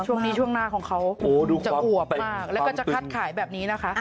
ช่วงนี้ช่วงหน้าของเขาจะอวบมากแล้วก็จะคัดขายแบบนี้นะคะ